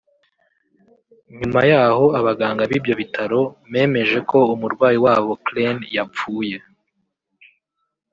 nyuma y’aho abaganga b’ibyo bitaro memeje ko umurwayi wabo Clleen yapfuye